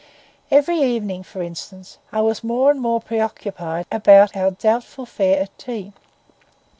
Every evening, for instance, I was more and more preoccupied about our doubtful fare at tea.